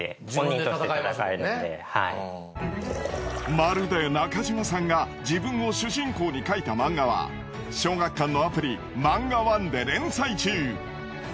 まるで中島さんが自分を主人公に描いた漫画は小学館のアプリ「マンガワン」で連載中。